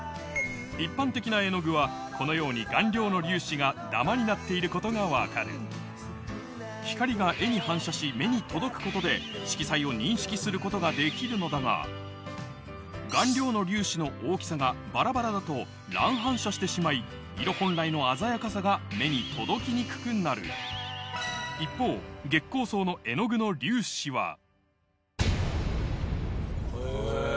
一般的な絵の具はこのように顔料の粒子がダマになっていることが分かる光が絵に反射し目に届くことですることができるのだが顔料の粒子の大きさがバラバラだと乱反射してしまい色本来の鮮やかさが目に届きにくくなる一方月光荘の絵の具の粒子はへぇ。